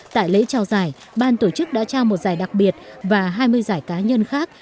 tại lễ trao giải ban tổ chức đã trao một giải đặc biệt và hai mươi giải cá nhân khác